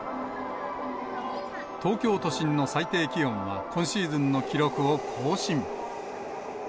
東京都心の最低気温は、今シーズンの記録を更新。